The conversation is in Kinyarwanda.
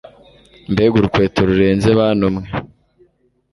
mbega urukweto rurenze bantu mwe